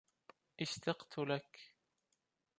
اشتقت لك.